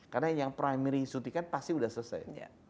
karena yang primary sutikan pasti sudah selesai